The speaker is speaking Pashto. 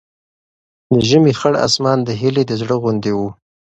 د ژمي خړ اسمان د هیلې د زړه غوندې و.